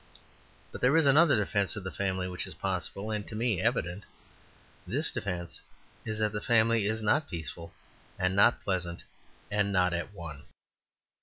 But there is another defence of the family which is possible, and to me evident; this defence is that the family is not peaceful and not pleasant and not at one.